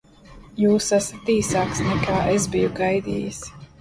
Un jūs esat īsāks, nekā es biju gaidījis.